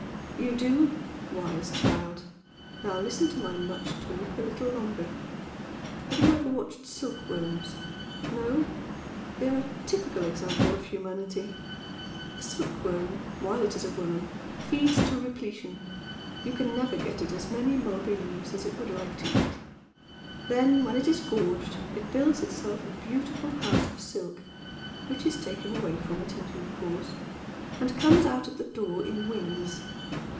"You do? Wise child! Now listen to my much talk a little longer! Have you ever watched silkworms? No? They are typical examples of humanity. A silkworm, while it is a worm, feeds to repletion, you can never get it as many mulberry leaves as it would like to eat then when it is gorged, it builds itself a beautiful house of silk (which is taken away from it in due course) and comes out at the door in wings!